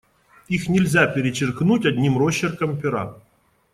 Их нельзя перечеркнуть одним росчерком пера.